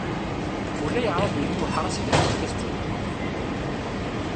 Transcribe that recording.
Ulayɣer ad yili uḥras gar urgaz d tmeṭṭut.